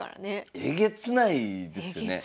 えげつないですよね。